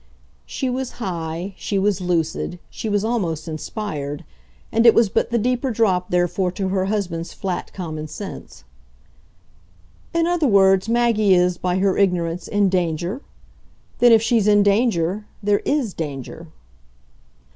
She was high, she was lucid, she was almost inspired; and it was but the deeper drop therefore to her husband's flat common sense. "In other words Maggie is, by her ignorance, in danger? Then if she's in danger, there IS danger."